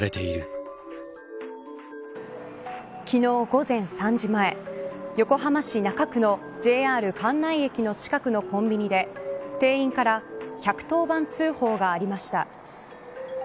昨日、午前３時前横浜市中区のＪＲ関内駅の近くのコンビニで店員から１１０番通報がありました。